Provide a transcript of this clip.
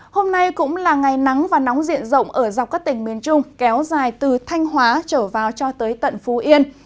hôm nay cũng là ngày nắng và nóng diện rộng ở dọc các tỉnh miền trung kéo dài từ thanh hóa trở vào cho tới tận phú yên